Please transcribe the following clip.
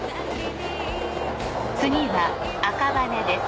次は赤羽です。